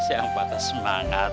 kita jangan patah semangat ya bang